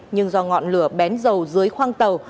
nhưng do ngọn lửa bén dầu dưới khoang tàu